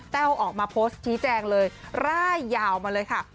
ออกมาโพสต์ชี้แจงเลยร่ายยาวมาเลยค่ะ